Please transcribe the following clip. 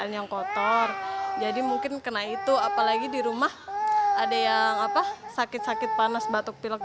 risc sdes menunjukkan jumlah penderita pneumonia di jakarta meningkat dua dua persen dalam lima tahun terakhir